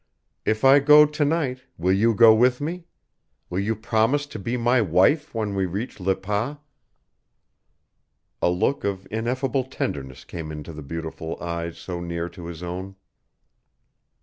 If I go to night will you go with me? Will you promise to be my wife when we reach Le Pas?" A look of ineffable tenderness came into the beautiful eyes so near to his own.